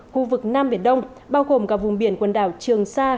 khu vực nam biển đông bao gồm cả vùng biển quần đảo trường sa